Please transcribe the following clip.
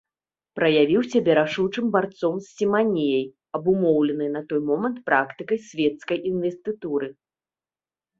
Праявіў сябе рашучым барцом з сіманіяй, абумоўленай на той момант практыкай свецкай інвестытуры.